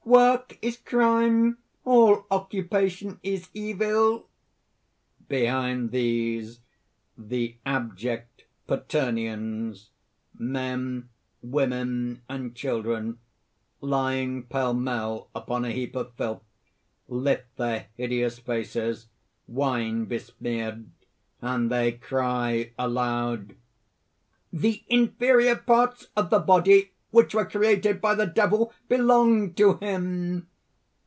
Work is crime; all occupation is evil." (Behind these, the abject) PATERNIANS (_ men, women, and children lying pell mell upon a heap of filth, lift their hideous faces, wine besmeared, and they cry aloud_:) "The inferior parts of the body, which were created by the Devil, belong to him!